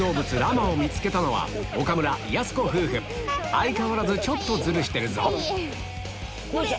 相変わらずちょっとズルしてるぞよっしゃ！